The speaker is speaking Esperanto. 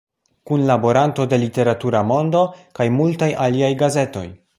Kunlaboranto de "Literatura Mondo" kaj multaj aliaj gazetoj.